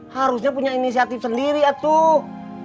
harusnya punya inisiatif sendiri eh tuh